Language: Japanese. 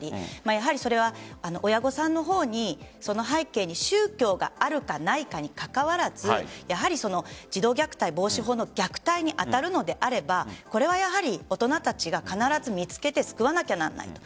やはり、それは親御さんの方にその背景に宗教があるかないかにかかわらず児童虐待防止法の虐待に当たるのであればこれはやはり大人たちが必ず見つけて救わなければならないと。